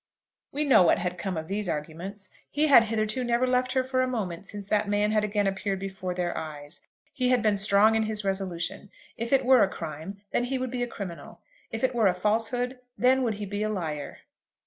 We know what had come of these arguments. He had hitherto never left her for a moment since that man had again appeared before their eyes. He had been strong in his resolution. If it were a crime, then he would be a criminal. If it were a falsehood, then would he be a liar.